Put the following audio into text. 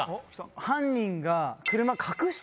犯人が。